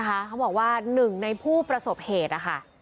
เขาบอกว่า๑ในผู้ประสบเหตุ